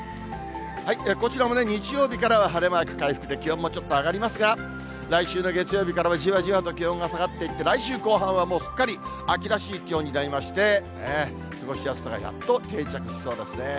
こちらも日曜日からは晴れマーク回復で、気温もちょっと上がりますが、来週の月曜日からはじわじわと気温が下がっていって、来週後半はもうすっかり秋らしい気温になりまして、過ごしやすさがやっと定着しそうですね。